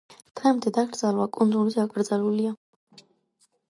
დღემდე დაკრძალვა კუნძულზე აკრძალულია.